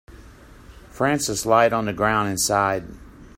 Francis lied on the ground and sighed.